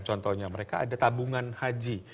contohnya mereka ada tabungan haji